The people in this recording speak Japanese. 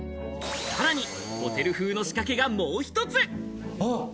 さらにホテル風の仕掛けがもう一つ！